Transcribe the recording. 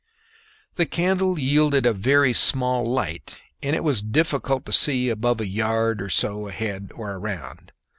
The candle yielded a very small light, and it was difficult to see above a yard or so ahead or around.